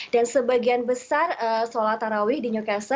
dan sebagian besar sholat taraweeh di newcastle